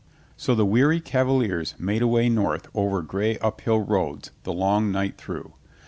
So the weary Cavaliers made away north over gray uphill roads the long night through.